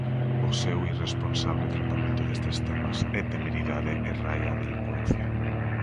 O seu irresponsable tratamento destes temas é temeridade e raia a delincuencia.